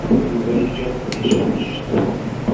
Yuba iga leqdic annect.